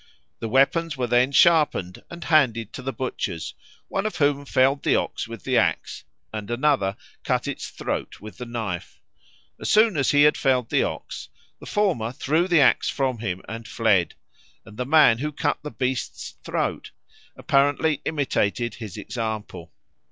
The weapons were then sharpened and handed to the butchers, one of whom felled the OX with the axe and another cut its throat with the knife. As soon as he had felled the OX, the former threw the axe from him and fled; and the man who cut the beast's throat apparently imitated his example.